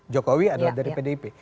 jokowi adalah dari pdip